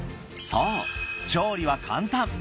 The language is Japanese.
そう調理は簡単。